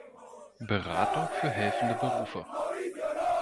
Beratung für helfende Berufe".